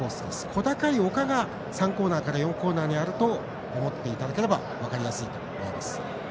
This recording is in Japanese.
小高い丘が３コーナーから４コーナーにあると思っていただければ分かりやすいと思います。